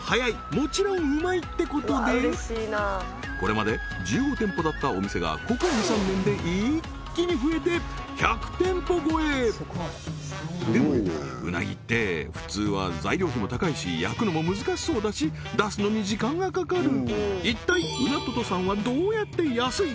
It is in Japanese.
もちろんうまい！ってことでこれまで１５店舗だったお店がここ２３年で一気に増えて１００店舗超えでも鰻って普通は材料費も高いし焼くのも難しそうだし出すのに時間がかかる一体宇奈ととさんはどうやって安い！